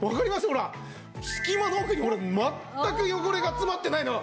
ほら隙間の奥に全く汚れが詰まってないのが。